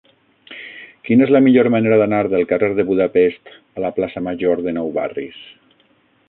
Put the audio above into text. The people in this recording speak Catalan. Quina és la millor manera d'anar del carrer de Budapest a la plaça Major de Nou Barris?